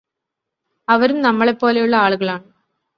അവരും നമ്മളെപോലെയുള്ള ആളുകളാണ്